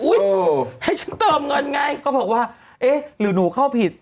ให้ฉันเติมเงินไงก็บอกว่าเอ๊ะหรือหนูเข้าผิด